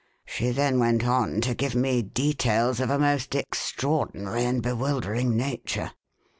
She then went on to give me details of a most extraordinary and bewildering nature."